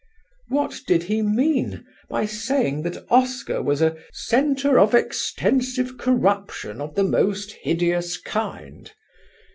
What did he mean by saying that Oscar was a "centre of extensive corruption of the most hideous kind"?